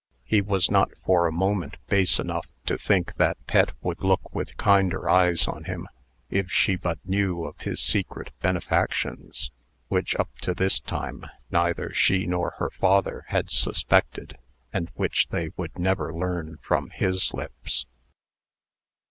He was not for a moment base enough to think that Pet would look with kinder eyes on him, if she but knew of his secret benefactions which, up to this time, neither she nor her father had suspected, and which they would never learn from his lips.